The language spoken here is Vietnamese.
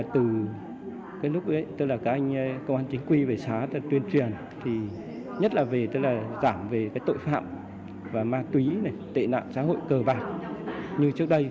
từ lúc các anh công an chính quy về xã tuyên truyền nhất là giảm về tội phạm ma túy tệ nạn xã hội cờ bạc như trước đây